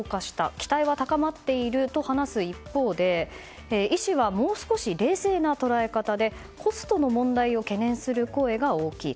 期待は高まっていると話す一方で医師はもう少し冷静な捉え方でコストの問題を懸念する声が大きい。